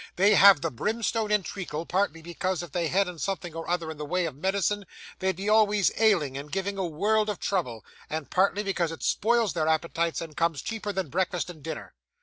They have the brimstone and treacle, partly because if they hadn't something or other in the way of medicine they'd be always ailing and giving a world of trouble, and partly because it spoils their appetites and comes cheaper than breakfast and dinner.